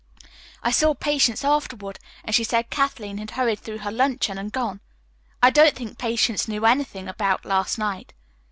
I saw Patience afterward, and she said Kathleen had hurried through her luncheon and gone. I don't think Patience knew anything about last night.